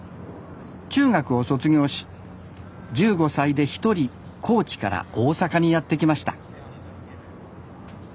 中学を卒業し１５歳で一人高知から大阪にやって来ました